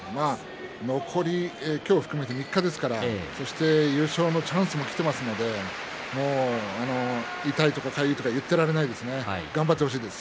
今日を含めて残り３日ですからそして優勝のチャンスもきていますので痛いとか、かゆいとか言ってられないですね頑張ってほしいです。